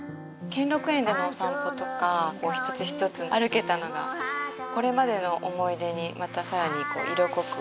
兼六園でのお散歩とか一つ一つ歩けたのがこれまでの思い出にまたさらに色濃く。